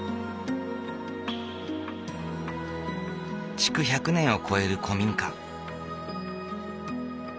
築１００年を超える古民家。